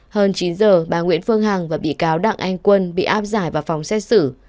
hơn chín giờ bà nguyễn phương hằng và bị cáo đặng anh quân bị áp giải vào phòng xét xử